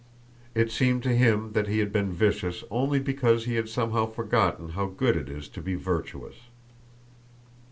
It seemed to him that he had been vicious only because he had somehow forgotten how good it is to be virtuous.